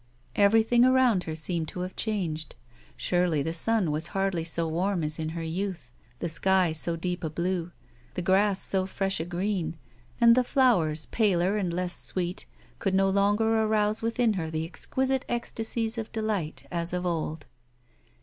Everything around her seemed to have changed. Surely the sun was hardly so warm as in her youth, the sky so deep a blue, the grass so fresh a green, and the flowers, paler and less sweet, could no longer arouse with in her the exquisite ecstacies of delight as of old.